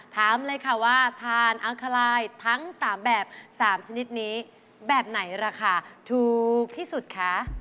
ถามเลยค่ะว่าทานอังคลายทั้ง๓แบบ๓ชนิดนี้แบบไหนราคาถูกที่สุดคะ